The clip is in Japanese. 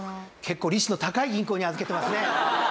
結構利子の高い銀行に預けてますね。